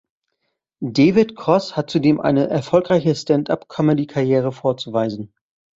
David Cross hat zudem eine erfolgreiche Stand-Up-Comedy-Karriere vorzuweisen.